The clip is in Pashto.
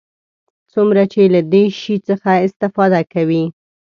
څومره چې له دې شي څخه استفاده کوي.